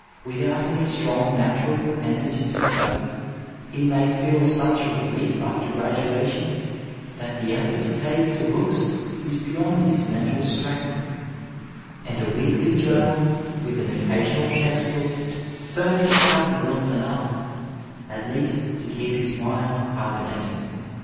Without any strong natural propensity to study, he may feel such a relief after graduation that the effort 428 Digitized by VjOOQIC THE STUDENT LIFE to take to books is beyond his mental strength, and a weekly jonmal with an occasional textbook furnish pabolom enough, at least to keep his mind hibernating.